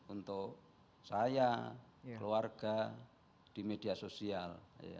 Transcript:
untuk saya keluarga di media sosial